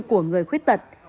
của người khuất tật